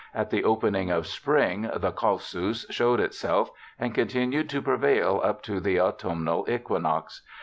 At the opening of spring, the causus showed itself, and continued to prevail up to the autumnal equinox.